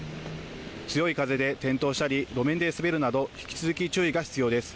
強い風で転倒したり路面で滑るなど引き続き注意が必要です。